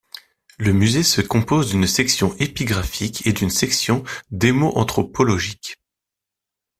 Le musée se compose d'une section épigraphique et une section démo-anthropologique.